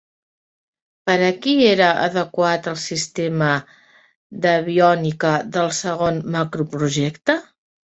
Per a qui era adequat el sistema d'aviònica del segon macroprojecte?